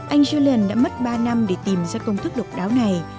anh julen đã mất ba năm để tìm ra công thức độc đáo này